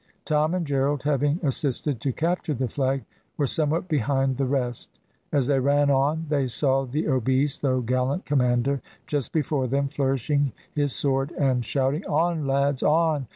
Tom and Gerald having assisted to capture the flag were somewhat behind the rest. As they ran on they saw the obese, though gallant, commander just before them, flourishing his sword and shouting, "On, lads, on!